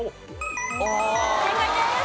正解です。